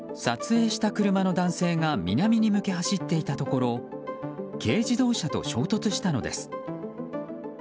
撮影した車の男性が南に向け走っていたところ軽自動車と衝突したのです。